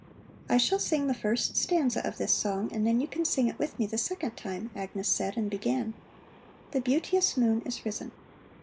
"I shall sing the first stanza of this song and then you can sing it with me the second time," Agnes said and began: "The beauteous moon is risen."